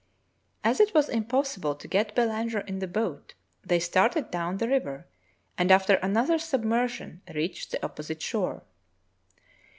As it was impossible to get Belanger in the boat, they started down the river and after another submersion reached the opposite shore.